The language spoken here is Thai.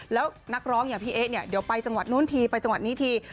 แล้วนักร้องอย่างพี่เอ๊ะเนี่ยเดี๋ยวไปจังหวัดนู้นทีไปจังหวัดนี้ที